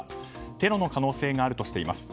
テロの可能性があるとしています。